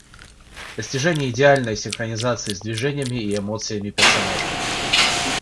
Достижение идеальной синхронизации с движениями и эмоциями персонажа.